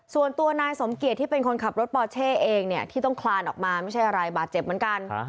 ส่วนตัวนายสมเกียจที่เป็นคนขับรถปอเช่เองเนี่ยที่ต้องคลานออกมาไม่ใช่อะไรบาดเจ็บเหมือนกัน